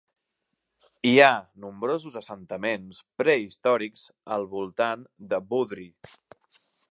Hi ha nombrosos assentaments prehistòrics al voltant de Boudry.